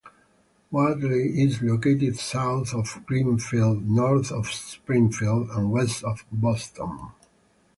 Whately is located south of Greenfield, north of Springfield, and west of Boston.